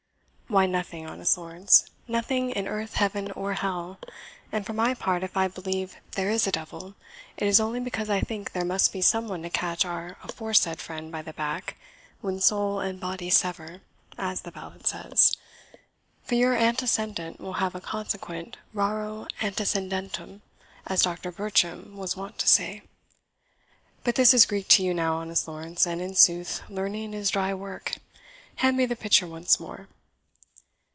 Why, nothing, honest Lawrence nothing in earth, heaven, or hell; and for my part, if I believe there is a devil, it is only because I think there must be some one to catch our aforesaid friend by the back 'when soul and body sever,' as the ballad says; for your antecedent will have a consequent RARO ANTECEDENTEM, as Doctor Bircham was wont to say. But this is Greek to you now, honest Lawrence, and in sooth learning is dry work. Hand me the pitcher once more."